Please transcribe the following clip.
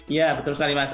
ya betul sekali mas